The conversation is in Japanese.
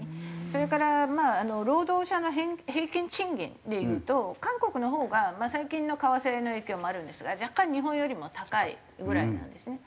それから労働者の平均賃金でいうと韓国のほうが最近の為替の影響もあるんですが若干日本よりも高いぐらいなんですね。